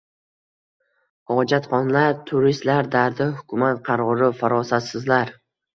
Hojatxonalar: turistlar dardi, Hukumat qarori, farosatsizlar